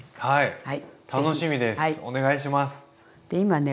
はい。